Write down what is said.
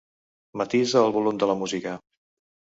Matisa el volum de la música.